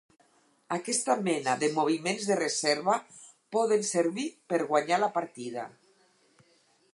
Aquesta mena de moviments de reserva poden servir per guanyar la partida.